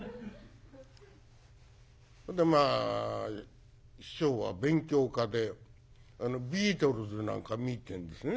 まあ師匠は勉強家でビートルズなんか見てんですね。